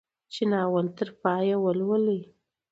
چې ناول تر پايه ولولي.